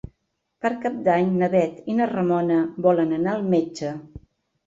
Per Cap d'Any na Bet i na Ramona volen anar al metge.